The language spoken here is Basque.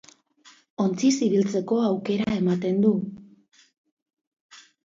Ontziz ibiltzeko aukera ematen du.